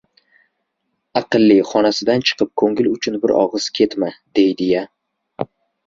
«Aqalli xonasidan chiqib, ko‘ngil uchun bir og‘iz ketma, demadi-ya.